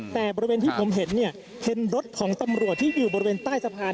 แต่บริเวณที่ผมเห็นเนี่ยเห็นรถของตำรวจที่อยู่บริเวณใต้สะพาน